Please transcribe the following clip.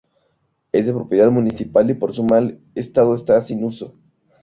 Es de propiedad municipal y por su mal estado está sin uso.